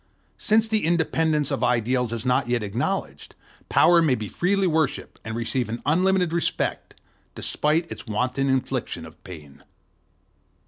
Since the independence of ideals is not yet acknowledged, Power may be freely worshiped, and receive an unlimited respect, despite its wanton infliction of pain.